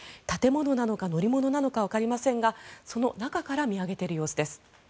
建物なのか乗り物なのかわかりませんがその中から見上げている様子です。